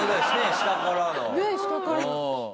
下からの。